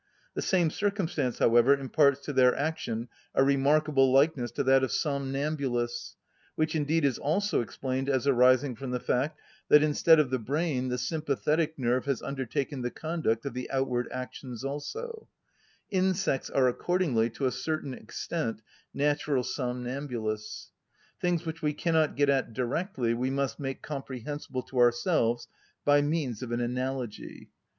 The same circumstance, however, imparts to their action a remarkable likeness to that of somnambulists, which indeed is also explained as arising from the fact that, instead of the brain, the sympathetic nerve has undertaken the conduct of the outward actions also; insects are accordingly, to a certain extent, natural somnambulists. Things which we cannot get at directly we must make comprehensible to ourselves by means of an analogy.